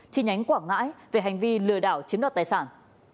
chi nhánh quảng ngãi về hành vi lừa đảo chiếm đoạt tài sản